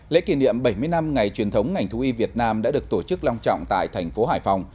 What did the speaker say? lễ kỷ niệm bảy mươi năm ngày truyền thống ngành thú y việt nam đã được tổ chức long trọng tại thành phố hải phòng